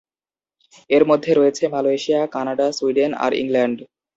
এর মধ্যে রয়েছে মালয়েশিয়া, কানাডা, সুইডেন আর ইংল্যান্ড।